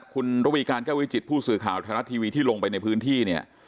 คุณรวีการแก้ววิจิตผู้สื่อข่าวธรรมทะลัดทีวีที่ลงไปในพื้นที่